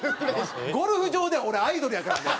ゴルフ場で俺アイドルやからね。